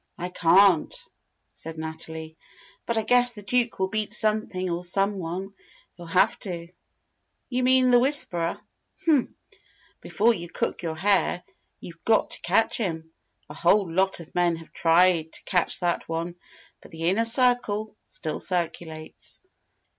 "I can't," said Natalie. "But I guess the Duke will beat something or someone. He'll have to." "You mean the 'Whisperer!' H'm! Before you cook your hare, you've got to catch him. A whole lot of men have tried to catch that one. But the Inner Circle still circulates."